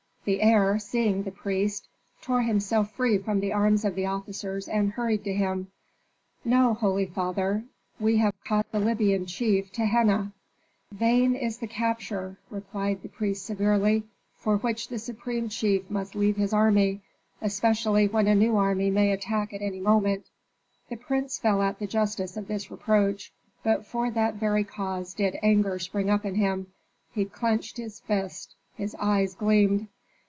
The heir, seeing the priest, tore himself free from the arms of the officers and hurried to him. "Know, holy father, we have caught the Libyan chief Tehenna." "Vain is the capture," replied the priest severely, "for which the supreme chief must leave his army; especially when a new enemy may attack at any moment." The prince felt all the justice of this reproach, but for that very cause did anger spring up in him. He clinched his fist, his eyes gleamed.